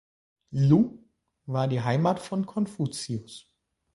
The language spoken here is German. Lu war die Heimat von Konfuzius.